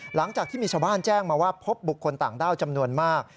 หลังจากที่มีชาวบ้านแจ้งมาว่าพบบุคคลต่างด้าวจำนวนมาก